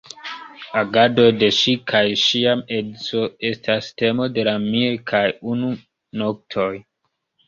Agadoj de ŝi kaj ŝia edzo estas temo de la "Mil kaj unu noktoj".